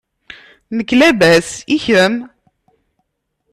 Nekk labas, i kemm?